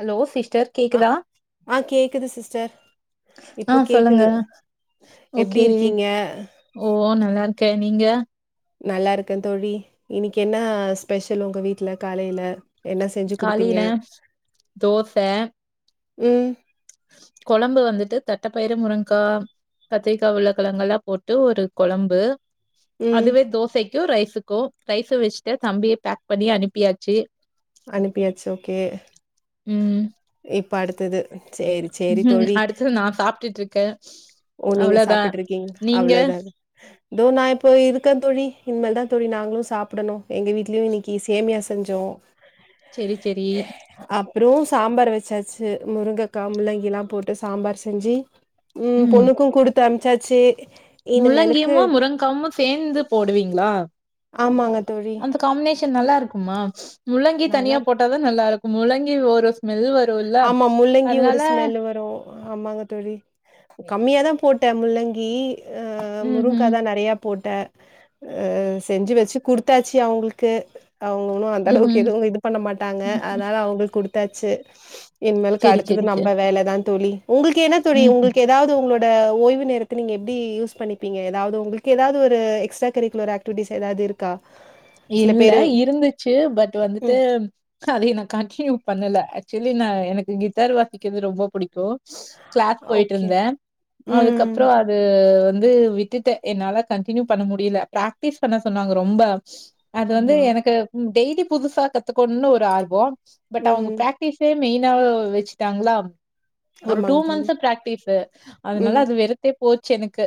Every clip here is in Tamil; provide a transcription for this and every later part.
அலோ சிஷ்டர் அ ஆ கேக்குது சிஸ்டர் ஆ இப்போ சொல்லுங்க கேக்குது எப்டி ஓகே இருக்கீங்க ஓ நல்லாருக்க நீங்க நல்லாருக்கே தோழி இன்னிக்கு என்ன ஸ்பெஷல் ஒங்க வீட்ல காலைல என்ன செஞ்சு குடுத்தீங்க காலையில தோச ம் கொழம்பு வந்துட்டு தட்டப்பயிரு முருங்க்கா கத்திரிக்கா உர்ள கெழங்கலா போட்டு ஒரு கொழம்பு ம். அதுவே தோசைக்கு ரைஸுக்கூ ரைசூ வெச்சுட்ட தம்பிய பேக் பண்ணி அனுப்பியாச்சு அனுப்பியாச்சி ஓகே ம் இப்ப அடுத்தது செரி செ அடுத்தது நா சாப்ட்டுட்டு இருக்கே ஓ நீங்க அவ்ளோதா சாப்ட்டு இருக்கீங்க நீங்க அவ்ளோதாங் இதோ நா இப்போ இருக்கெ தோழி இனிமே தா தோழி நாங்களு சாப்புடணு எங்க வீட்லயு இன்னைக்கி சேமியா செஞ்சோ செரி செரி ரு சாம்பார் வெச்சாச்சி முருங்கக்கா முள்ளங்கி எல்லா போட்டு சாம்பார் செஞ்சி ம் பொண்ணுக்கு குடுத்து அனுப்சாச்சி முள்ளங்கியுமோ முருங்காவுமு சேந்து போடுவீங்களா ஆமாங்க தோழி அந்த காம்பினேஷன் நல்லா இருக்குமா முள்ளங்கி நல்லா தனியா இருக்கு போட் டா தா நல்லா இருக்கு முள்ளங்கி ஒரு ஸ்மெல் வர் ஆமா முள்ளங்கி ஒரு ஸ்மெல் வரு ஆமாங்க தோழி கம்மியாதா போட்ட முள்ளங்கி ஆ முருங்கா ம்ஹ்ம், தா நெறையா போட்ட அ செஞ்சு வெச்சு குடுத்தாச்சி அவுங்களுக்கு அவுங்க ஒன்னு அந்த அளவுக்கு ம்ஹ்ம். எதுவு இது பண்ண மாட்டாங்க ம். அதனால அவுங்களுக்கு குடுத்தாச்சி இன்மேலுக்கு சரி, அடுத்தது சரி, சரி. நம்ம வேலதா தோழி உங்களுக்கு என்ன தோழி ம்ஹ்ம். உங்களுக்கு ஏதாவது உங்களோ ட ஓய்வு நேரத்த நீங்க எப்ப நீங்க யூஸ்பண்ணிப்பீங்க ஏதாவது ஒரு உங்களுக்கு ஏதாவது ஒரு எக்ஸ்ட்ரா கரிக்குலர் ஆக்டிவிட்டஸ் ஏதாவது இருக்கா ஆ இல்ல இருந்துச்சு பட் வந்துட்டு ம் அதை நா கண்டினியூ பண்ணல ஆக்சுவலி நா எனக்கு கிட்டார் வாசிக்கிறது ரொம்ப புடிக்கு கிளாஸ் ஓகே பொய்ட்டுருந்தே ம் அதுக்கப்புறோ அது வந்து வித்துட்ட என்னால கன்டினியூ பண்ண முடியல பிராக்டிஸ் பண்ண சொன்னாங்க ரொம்ப அது வந்து ஆமா எனக்கு டெய்லி புதுசா கத்துக்கோன்னு ஒரு ஆர்வோ பட் அவுங்க ம் பிராக் டீசே மெயினாவ் வெச்சுட்டாங்ளா ஒரு டூ ஆமாங்க தோழி மந்த்ஸ் பிராக்டிஸு ம் அதனால அது வெறுத்தே போச்சு எனக்கு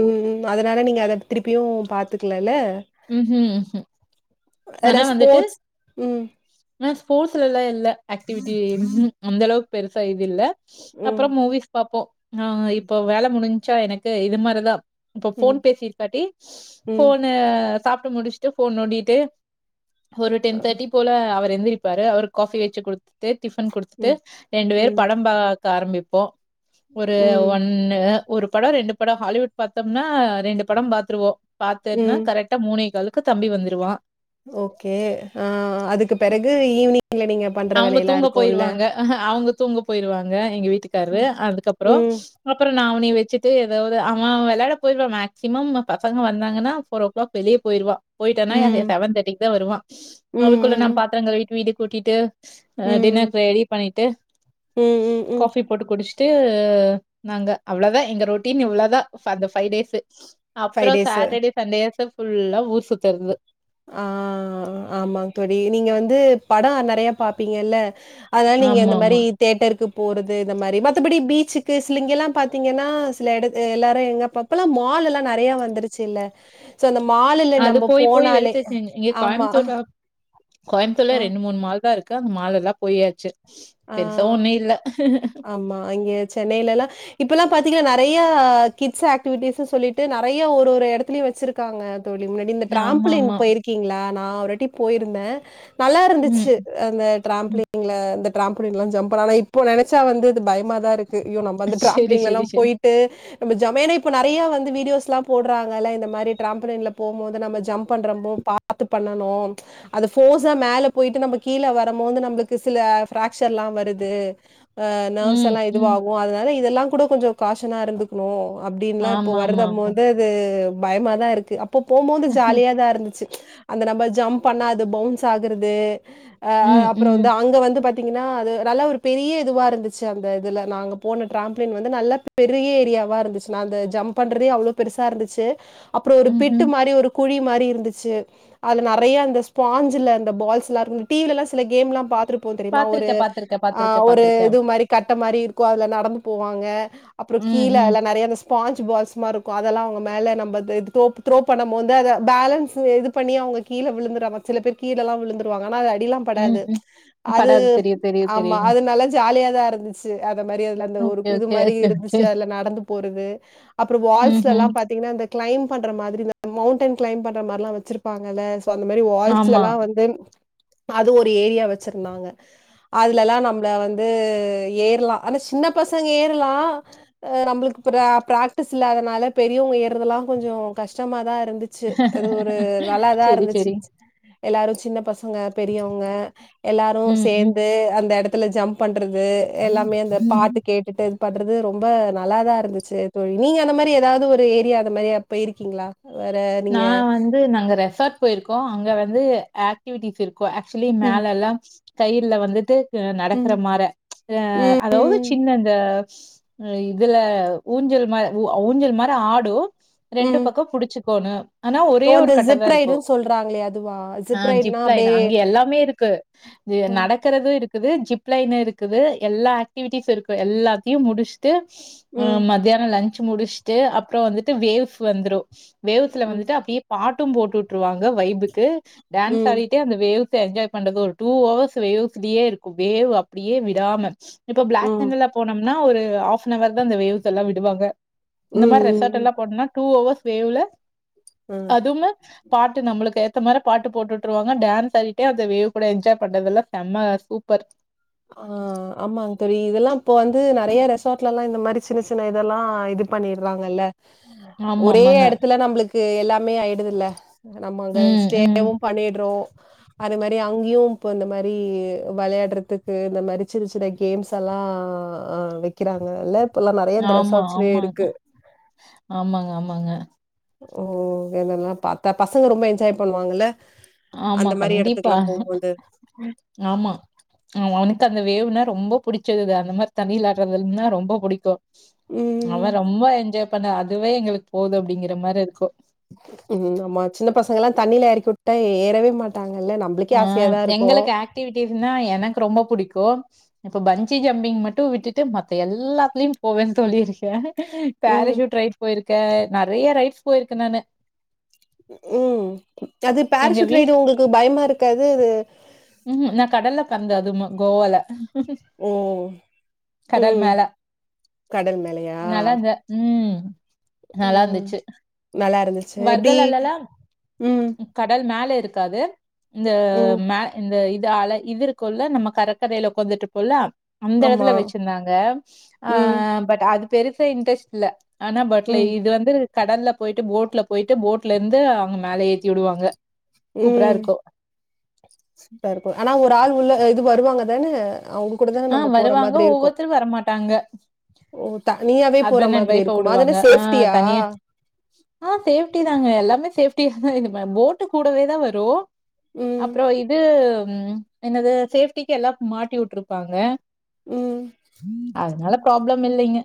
ம் அதனால நீங்க அத திருப்பியு பாத்துக்கலல்ல ம் ஹும் ஹும் வேற ஆனா வந்துட்டு ஸ்போர்ட்ஸ் ம் ஆனா ஸ்போர்ட்ஸ்ல எல்லா இல்ல ஆக்டிவிட்டி அந்த அளவுக்கு பெருசா இது இல்ல ம் அப்புறோ மூவிஸ் பாப்போ ஆ இப்போ வேல முடிஞ்சா எனக்கு இது மாரிதா இப்ப போன் ம் பேசிருக்காட்டி ம் போனு சாப்ட்டு முடிச்சுட்டு போன் நோன்டிட்டு ஒரு டென் அ, தேர்ட்டி போல அவரு எந்திரிப்பாரு அவரு காஃபி வெச்சி குடுத் ட்டே டிபன் குடுத்துட்டு ம் ரெண்டு பேர் ம் படம் பாக்க ஆரம்பிப்போ ஒரு ம் ஒன் னு ஒரு படோ ரெண்டு படோ ஹாலிவுட் பாத்தோம்னா ரெண்டு படம் பாத்துருவோ பாத்துன்னா ம் கரெக்ட் டா மூணே காலுக்கு தம்பி வந்துருவா ஓகே ஆ அதுக்கு பெறகு ஈவ்னிங்ல நீங்க பண்ற அவுங்க வேலையெல்லா தூங்க இருக்குல்ல போயிருவாங்க அவுங்க தூங்க போயிருவாங்க எங்க வீட்டுக்காரு ம் அதுக்கப்புறோ ம் அப்புறோ நா அவனை வச்சிட்டு எதாவது அவ வெளையாட போயிருவா மேக்சிமம் பசங்க வந்தாங்கன்னா அப்புறோ ப்லாக் பெளிய போயிருவா போய்ட்டானா எ ம் செவன் தேட்டிக் தா வருவா ம் அதுக்குள்ள ம் நா ம் பாத்திரோ கழிவிட்டு வீடு கூட்டிட்டு அ ம் டின்னரு ரெடி பண்ணிட்டு ம் ம் காஃபி போட்டு குடுச்சிட்டு நாங்க அவ்ளதா எங்க ரொட்டீன் இவ்ளதா அந்த ஃப ஃபைவ் டேஸ் ஃபைவ் அப்புறோ டேஸு சாட்டர்டே சண்டேஸ் ஃபுல்லா ஊர் சுத்தறது ஆ ஆமா தோழி நீங்க வந்து படோ நெறைய பாப்பீங்கல்ல அதா நீங்க ஆமா அந்த மாரி ஆமா தேட்டருக்கு போறது இந்த மாரி மத்தபடி பீச்சுக்கு சில இங்கல்லா பாத்தீங்கனா சில எடத் எல்லாரு எங்கப்பா இப்பல்லா மாலுல்லா நெறைய வந்துருச்சி இல்ல சோ இந்த மாலுல நம்ம போனாலே டே இங்க ஆமா கோயம்புத்தூர்ல கோயம்புத்தூர்ல ஆ ரெண்டு மூனு மால்தா இருக்கு அந்த மால் எல்லா போயாச்சி பெருசா ஒன்னு இல்ல அம்மா அங்கே சென்னையிலல்லா இப்ப எல்லா பாத்தீங்கனா நெறைய கிட்ஸ் ஆக்டிவிட்டிஸ்னு சொல்லிட்டு நெறைய ஒரு ஒரு எடத்துலயு வச்சிருக்காங்க தோழி முன்னாடி இந்த ஆமா டிரப்லின் ஆமா போயிருக்கீங்களா நா ஒராட்டி போயிருந்தே நல்லா ம் இருந்துச்சி அந்த ம் டிரம்பிலிங்ல இந்த டிரம்பிலின்லா ஜம் பண்ண ஆனா இப்ப நெனச்சா வந்து பயமாதா இருக்கு ஐயோ நம்ம அந்து செரி டப்லிங்கல்லா செரி செரி போயிட்டு நம்ம ஜமேன்னே இப்ப நெறைய வந்து வீடியோஸ்ல்லா போடறாங்கல இந்த மாரி டிராம்பீலின்ல போம்போது நம்ம ஜம்ப் பண்றமோ பா பத்து பண்ணனு அது ஃபோர்ஸா மேல போயிட்டு நம்ம கீழ வரம்மோது நம்மளுக்கு சில பிராக்சர்ல்லா வருது ஆ நர்வ்ஸ் ம் எல்லா இ ம் இதுவாகு அதனால இதெல்லா கூட கொஞ்ச காசனா இருந்துக்கணு அப்டின்ல்லா இப்ப ஆமா ஆமா வருதம் ஆமா வந்து து பயமாதா இருக்கு அப்போ போம்போது ஜலியாதா இருந்துச்சி அந்த நம்ம ஜம்ப் பண்ண அது பவுன்ஸ் ஆகுரது அ ம் அப்புறோ ம் வந்து அங்க வந்து பா த்திங்கன்னா அது நல்ல ஒரு பெரிய இதுவா இருந்துச்சி அந்த இதுல நாங்க போன டிரப்ளின் வந்து நல்ல பெரிய ஏரியாவா இருந்துச்சி நா அந்த ஜம்ப் பண்றதே அவ்ளோ பெருசா இருந்துச்சி அப்புறோ ஒரு பிட்டு ம்ஹும் மாரி ஒரு குழி மாரி இருந்துச்சி அதுல நெறையா அந்த ஸ்பாஞ்சல அந்த பால்ஸ்ல்லா இரு டிவில்லா சில கேம் எல்லா பாத்துருபோ தெரியுமா ஒரு பாத்திருக்க பாத்திருக்க ஆ பாத்திருக்க ஒரு பாத்திருக்க இது மாரி கட்ட மாரி இருக்கு அதுல நடந்து போவாங்க அப்புறோ ம் கீழ ம் அதல்ல நெறைய அந்த ஸ் ஸ்பான்ச் பால்ஸ் மாரி இருக்கு அதெல்லா அவங்க மேல நம்ப இத இது தோப் த்ரோப் பண்ணம் மோது அத பேலன்ஸ் இது பண்ணி அவுங்க கீழ விழுந்துருவாம சில பேர் கீழ எல்லா விழுந்துருவாங்க ஆனா அது அடியெல்லா ம் படாது ம் பட அது தெரியு தெரியு ஆமா தெரியு அதுனால ஜாலியாதா இருந்துச்சி அத மாரி அதுல அந்த ஒரு ஓகே இது ஓகே மாரி ஓகே ஓகே இருந்துச்சி அல நடந்து போறது அப்புறோ வால்ஸ்ல ம்ஹ்ம். எல்லா பாத் த்திங்கன்னா இந்த கிளைம் பண்ற மாதிரி இந் மௌண்டைன் கிளைம் பண்ற மாரில்லா வச்சிருப்பாங்கல்ல சோ அந்த மாரி வால்ஸ்ல ஆமா. எல்லா வந்து அது ஒரு ஏரியா வச்சிருந்தாங்க அதலெல்லா நம்மள வந்து ஏறலா ஆனா சின்ன பசங்க ஏறலா ஆ நம்மளுக்கு பிரா பிராக்டிஸ் இல்லாதனால பெரியவங்க ஏறதெல்லா கொஞ்சோ கஷ்டமாதா இருந்துச் சி அது ஒரு நல்லாதா சரி, இருந்துச்சி சரி. எல்லாரு சின்ன பசங்க பெரியவங்க எல்லாரு ம், ம், சேந்து அந்த எடத்துல ஜம்ப் பண்றது எல்லாமே அந்த ம். பாட்டு கேட்டுட்டு பண்றது ரொம்ப நல்லாதா இருந்துச்சி தோழி நீங்க அந்த மாரி ஏதாவது ஒரு ஏரியா அந்த மாரி அப் போயிருக்கீங்களா வேற நா நீங்க வந்து நாங்க ரெசார்ட் போயிருக்கோ அங்க வந்து ஆக்டிவிட்டிஸ் இருக் கு ஆக்சுலி ம் மேல எல்லா கயிர்ல வந்துட்டு ம் நடக்கற மார அ ம் அதாவது ம் சின்ன அந்த இதுல ஊஞ்சல் மா உ ஊஞ்சல் மாரி ஆடு ரெண்டு ம் பக்க புடிச்சுக்கோணு ஆனா ஒரே ஓ ஒரு அந்த கட்ட தா ஜிப் இருக்கு ரைடுன்னு சொல்றாங்களே அதுவா ஆ ரைடுனா ஜிப் லைனு அப்டியே அங்க எல்லாமே இருக்கு து ம் நடக் குறது இருக்குது ஜிப் லைனு இருக்குது எல்லா ஆக்டிவிட்டிஸ் இருக்கு எல்லாத்தையு முடிச் ட்டு அ ம் மத்தியான லன்ஞ்ச முடிச்ட்டு அப்புறோ வந்துட்டு வேவ்ஸ் வந்துரு வேவ்ஸ்ல ம் வந்துட்டு அப்டியே பாட்டும் போட்டு உட்டுருவாங்க வைபுக்கு டான்ஸ் ம், ஆடி ட்டே அந்த வேவ்ஸ என்ஜாய் பண்றது ஒரு டூ அவர்ஸு வேவ்ஸ்லயே இருக்கு வேவ் அப்டியே விடாம இப்ப பிளாக் ம், தண்டர்ல்ல போனோம்னா ஒரு ஹாஃபன் அவர் தா அந்த வேவ்ஸ் எல்லா விடுவாங்க ம், இந்த மாரி ரெசார்ட் ம், ம். எல்லா போனனா டூ ஹவர்ஸ் வேவ்ல ம். அதுமே பாட்டு நம்மளுக்கு ஏத்த மாரி பாட்டு போட்டுட்டுருவாங்க டான்ஸ் ஆடிட்டே அந்த வேவ் கூட என்ஜாய் பண்றதுல்லா செம்ம சூப்பர் ஆ ஆமாங்க தோழி இதெல்லா இப்ப வந்து நெறய ரெசார்ட்லல்லா இந்த மாரி சின்ன சின்ன இதெல்லா இது ப ண்ணிறாங்கல்ல ஆமா, ஒரே ஆமாங்க. எடத்துல நம்பளுக்கு எல்லாமே ஆயிடுதுல நம்ம அங்க ம், ஸ்டே ம். வும் பண்ணிடுறோ அது மாரி அங்கயு இப்ப இந்த மாரி வெளயாடுறதுக்கு கு இந்த மாரி சின்ன சின்ன கேம்ஸ் எல்லா வக்கிறாங்கல்ல இப்பல்லா நெறய இந்த ஆமா, ரெசார்ட்ஸ்லயே ஆமாங்க. இருக்கு ஆமாங்க, ஆமாங்க. ஓ இதெல்லா பாத்தா பசங்க ரொம்ப என்ஜாய் பண்ணுவாங்கல்ல ஆமா அந்த மாரி கண்டிப்பா எடத்துக்குலாம் போம்போது. ஆமா ஆமா அவனுக்கு அந்த வேவ்னா ரொம்ப புடிச்சது அது அந்த மாரி தண்ணில விளாடுறதுன்னா ரொம்ப புடிக்கு ம். அவ ரொம்ப என்ஜாய் பண்ண அதுவே எங்களுக்கு போதும் அப்டிங்கிற மாரி இருக்கு ம் ஆம்மா சின்ன பசங்கல்லா தண்ணியில எறக்கி உட்டா எ ஏறவே மாட்டாங்கல்ல நம்பளுக்கே ஆ ஆசையாதா இருக்கு எங்களுக்கு ஆக்டிவிட்டீஸ்னா எனக்கு ரொம்ப புடிக்கு இப்ப பன்ஜி ஜம்பிங் மட்டு விட்டுட்டு மத்த எல்லாத்துலயு போவே தோழி ம். பேரஷூட் ரைட் போயிருக்கே நெறைய ரைட்ஸ் போயிருக்கே நானு ம் அது எங்க பேரசூட் வீட் ரைடு உங்களுக்கு பயமா இருக்காது அது ம் நா கடல்ல கந்த அதும கோவால ம் கடல் ம் மேல. கடல் மேலயா நல்லா இருந்த ம் நல்லா ம். இருந்துச்சி நல்லா இருந்துச்சு. எப்டி? வர்கலாலல ம். கடல் மேலே இருக்காது இந்த ம். மே இந்த இது அல இது கொல்ல நம்ம கடக்கரையில உக்காந்துட்டு இருப்போல்ல அந்த ஆமா. எடத்துல வச்சிருந்தாங்க ஆ ம். பட் அ அது பெருசா இன்ட்ரெஸ்ட் இல்ல ஆனா பட்ல ம். இது வந்து கடல்ல போயிட்டு போட்ல போயிட்டு போட்ல இருந்து அவுங்க மேல ஏத்தி உடுவாங்க ம் சுப்பா இருக்கு ஆனா ஒரு ஆள் உள்ள இது வருவாங்கதான அவுங்க கூடதா ஆ நம்ம போற வருவாங்க, மாதிரி இருக்கு ஒவ்வொருத்தரும் வரமாட்டாங்க. ஓ தனியாவே போற ஹஸ்பண்ட் அண்ட் மாதிரி ஒய்ஃபா இருக்குமா அது என்ன விடுவாங்க. ஆ சேஃப்டியா தனியா ஆ சேஃப்டி தாங்க எல்லாமே சேஃப்டியா தா இது போட்டு கூடவே தா வரு ம். அப்புறோ இது என்னது சேஃப்டிக்கு எல்லா மாட்டி உட்ருப்பாங்க ம் அதனால ப்ராப்ளம் இல்லைங்க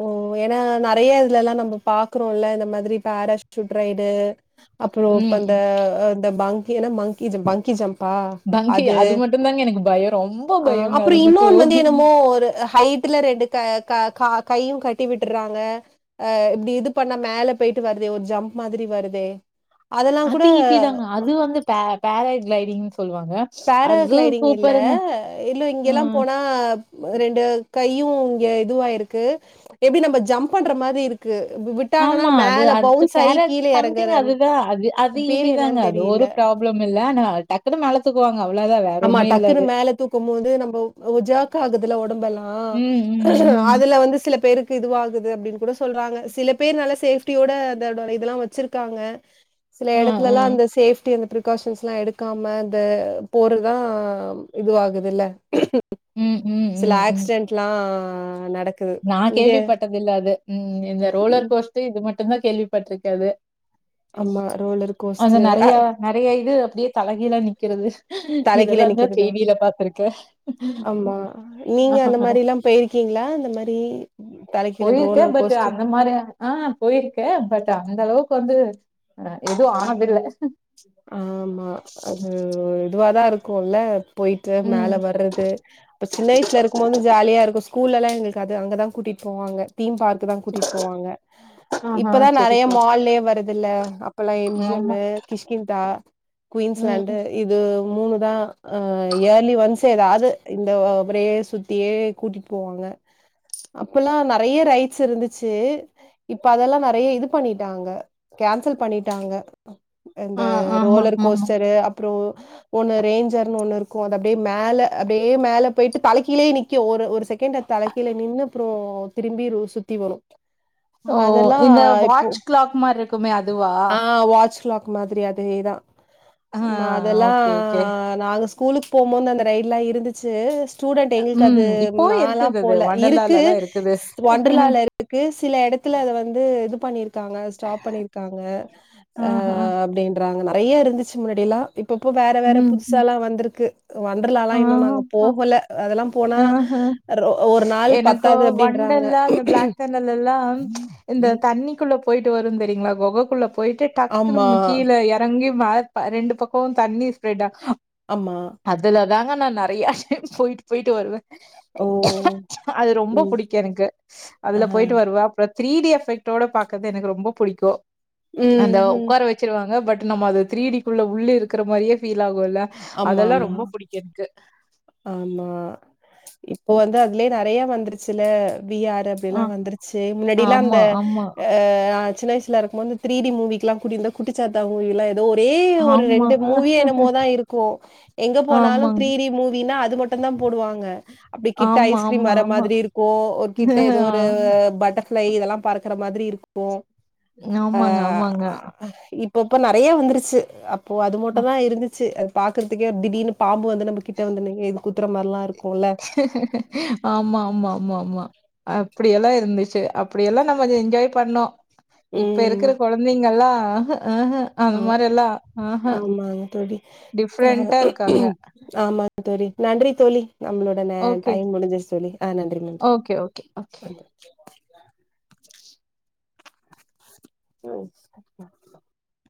ஓ ஏன்னா நெறைய இதுலல்லா நம்ப பாக்குறோம்ல்ல இந்த மாதிரி பேராசூட் ரைடு அப்புறோ இப்ப ம் அந்த இந்த பாங்கி ஏன்னா மங்கி ஜம் பங்கி ஜம்ப் பா பங்கி அது மட்டுந்தாங்க எனக்கு பயோ ரொம்ப அ பயோங்க அப்புறோ அது மட்டு இன்னொன்னு வந்து என்னமோ ஒரு ஹைட் டுல ரெண்டு க க கா கையு கட்டி விட்டுறாங்க அ இப்டி இது பண்ணா மேல போயிட்டு வருது ஒரு ஜம்ப் மாதிரி வருதே அதெல்லாம் கூட அது இதிதாங்க அது வந்து பே பேராகிளைடிங்ன் சொல்லுவாங்க அது பேராகிளைடிங் இல்ல சூப்பருங்க இல்ல இங்க எல்லாம் ம் போனா ரெண்டு கையு இங்க இதுவாயிருக்கு எப்படி நம்ப ஜம்ப் பண்ற மாதிரி இருக் ஆமா அது அது ஆயி பேற கீழ சம்திங் எறங்குற அதுதா அது அது பேரு ஈஸி தாங்க என்னன்னு அது தெரியல. ஒரு ப்ராப் ளம் இல்ல ஆனா டக் குண்டு மேல தூக்குவாங்க அவ்ளதா ஆமா டக்குன்னு மேல தூக்கும் போது நம்போ ஜாக்காக்குதுல ஒடம்பல்லா ம் ம் ம் அதுல வந்து சில பேருக் கு இதுவாகுது அபடின் கூட சொல்றாங்க சில பேர் நல்ல சேஃப்டியோட அந்த இதெல்லா வச்சிருக்காங்க சில ஆ ஆ எடத்துலல்லா அந்த சேஃப்டி அந்த பிகாஷன்ஸ் எல்லா எடுக்காம அந்த போறதுதா இதுவாகுதுல ம் ம் ம் லாக்சிடென்ட்ல்லா நடக் நா கேள்விப்பட்டது இல்ல அது ம் இந்த ரோலர் ம். கோஸ்ட்டு இது மட்டுந்தா கேள்விப்பட்டிருக்கறது ஆமா ரோலர் கோஸ்ட்டு நறைய இது அப்டியே தலகீழ நிக்கிறது இது தலைகீழ எல்லாமே நிக்கிறதுதான். செய்தில்லா பாத்துருக்கே ஆமா. ஆ நீங்க அந்த மாரிலாம் போயிருக்கீங்களா இந்த மாரி தலைகீழ போயிருக்கே ரோலர் பட்டு கோஸ்டர் அந்த மாரி ஆ போயிருக்கே பட் அந்த அளவுக்கு வந்து அ எதுவு ஆனதில்ல ஆமா அது இதுவாதா இருக்கு இல்ல போய்ட்டு ம். மேல வர்றது அப்ப சின்ன வயசுல இருக்கும் போது ஜாலியா இருக்கு கூல்லல்லா எங்களுக்கு அது அங்கதா கூட்டிட் போவாங்க தீம் பார்க்கு தா கூட்டிட் போவாங்க ஆஹா. இப்பதா சரி, நறைய சரி. மால்லியே வருது இல்ல அப்பல்லா எம் ஜி ஆமா. எம்மு கிஷ் ந்தா ம், குயின்ஸ்லேண்டு ம். இது மூனுதா அ இயர்லி ஒன்ஸ்சு எதாவ்து இந்த முரயே சுத்தியே கூட்டிட் போவாங்க அப்பல்லா நறைய ரைட்ஸ் இருந்துச்சு இப்ப அதெல்லா நறைய இது பண்ணிட்டாங்க கேன்சல் பண்ணிட்டாங்க இந்த ஆ ஆமா, ரோலர் ஆமாமா. கோஸ்டரு அப்புறோ ஒன்னு ரேஞ்சர்ன்னு ஒன்னு இருக்கு அது அப்டியே மேல அப்டியே மேலே போயிட்டு தலக்கிலயே நிக்கு ஒரு ஒரு செக்கெண்டு தலைக் கீழ நின்னு அப்புறோ திரும்பி ஒ சுத்தி வரு ஓ! அதெல்லா இந்த இப்போ வாட்ச் கிளாக் மாரி இருக்குமே அதுவா? ஆ வாட்ச்லாக் மாதிரி அதேதா ஆ அதெல்லா ஓகே, ஓகே. நாங்க ஸ்கூலுக் போம்போது அந்த ரைட்லா இருந்துச்சு ஸ்டூடெண்ட் எங்களுக்கு அது ம். இப்பவும் நால்லா இருக்குது அது. போல்ல இருக்கு வண்டர்லாலலாம் இருக்குது. ஒன்றலாள்ள இருக் க்கு சில எடத்துல அத வந்து இது பண்ணிருக்காங்க ஸ்டாப் பண்ணிருக்காங்க அ ஆஹா. அப்டின்றாங்க நறைய இருந்துச்சு முன்னாடி எல்லா இப்பப்போ வேற வேற ம், புதுசா ம். எல்லா வந்திருக்கு வண்டர்லால்லா இன்னு நாங்க ஆமா. போகல அதெல்லாம் போனா ஒரு நாள் பத் கு வண்டர்ல்லா இந்த பிளாக்தன்னர்ல்ல எல்லா இந்த தண்ணிக்குள்ள போயிட்டு வரு தெரியீங்களா கொகக்குள்ள போயிட்டு டக்குன்னு ஆமா ம்ம கீழே எ ரங்கி மா ரெண்டு பக்கோ தண்ணி ஸ்ப்பிரெட்டா ஆமா அதுல தாங்க நா நறையா டைம் போயிட்டு போயிட்டு வருவே ஓ அது ரொம்ப ம் புடிக்கு எனக்கு ஆ அதுல போயிட்டு வருவ அப்புறோ த்ரீ டி எஃபெக்டோட பாக்கது எனக்கு ரொம்ப புடிக்கு ம் அந்த ம் உக்கார வ ச்சிருவாங்க பட் நம்ம அது த்ரீடிக்குள்ள உள்ள இருக்கற மாரியே ஃபீல் ஆகுல்ல ஆமா அதெல்லா ஆமா ரொம்ப புடிக்கும் எனக்கு ஆமா இப்போ வந்து அதுலயே நறையா வந்துருச்சில்ல விஆர அப்டியல்லா ஆ. வந்துருச்சி முன்னாடியிலா அந்த ஆமா, ஆமா, ஆ சின்ன வயசுல இருக் கமோது த்ரீடி மூவிக்கிலா குடிந்தா குட்டிச்சாத்தா மூவிலா எ இந்த ஒரே ஒரு ரெண்டு ஆமா. மூவி என்னமோதா இருக்கும் எங்க போனாலும் ஆமாங்க. த்ரீ டி மூவீனா அது மட்டுந்தான் போடுவாங்க அப்டி கிட்ட ஆமா, ஐஸ்கிரீம் ஆமா, வர ஆமா. மாதிரி இருக்கும் ஒரு கிட்ட எதோ ஆ ஒரு பட்டர் ஃபிளை இதெல்லாம் பறக்கற மாதிரி இருக்கும் ஆ ஆமாங்க, ஆமாங்க. இப் போப்ப நறையா வந்துருச்சி அப்போ அது மட்டும்தான் இருந்துச்சி அது பாக்கறதுக்கே திடீர்னு பாம்பு வந்து நம்பகிட் ட வந்து நிக்க இது குத்தற மார்லா இருக் ஆமா ஆமா ஆமா ஆமா அப்டியல்லா இருந்துச்சி அப்டியெல்லாம் நம்ம என் என்ஜாய் பண்ணோம் இப்ப ம் இருக்கிற கொழந்தைங்கல்லாம் ஆஹ ஆஹ அந்த ஆ மாரி எல்லாம் ம்ஹ ஆமாங்க தோழி அ டிஃப்ரண்ட்டா இருக்காங்க ஆமா தோழி நன்றி தோழி நம்பளோட கான ஓகே, டைம் முடிஞ்சிருச்சி தோழி ஆ நன்றி நன்றி ஓகே, ஓகே. நன்றி தேங்க்ஸ் ஆ